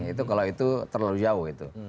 itu kalau itu terlalu jauh itu